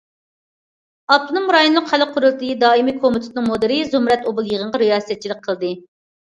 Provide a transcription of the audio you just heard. ئاپتونوم رايونلۇق خەلق قۇرۇلتىيى دائىمىي كومىتېتىنىڭ مۇدىرى زۇمرەت ئوبۇل يىغىنغا رىياسەتچىلىك قىلدى.